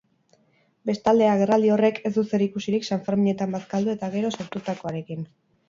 Bestalde, agerraldi horrek ez du zerikusirik sanferminetan bazkaldu eta gero sortutakoarekin.